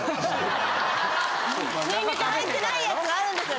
ニンニク入ってないやつあるんですよ！